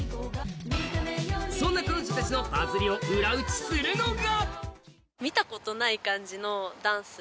そんな彼女たちのバズりを裏打ちするのが！